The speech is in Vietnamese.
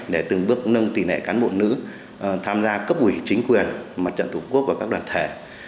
để từng bước nâng tỷ lệ cán bộ nữ tham gia cấp ủy chính quyền mặt trận thủ quốc và các đoàn thể